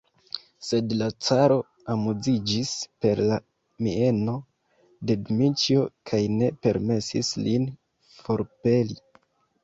Sed la caro amuziĝis per la mieno de Dmiĉjo kaj ne permesis lin forpeli.